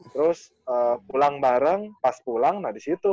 terus pulang bareng pas pulang nah disitu